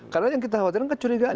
karena yang kita khawatir kecurigaan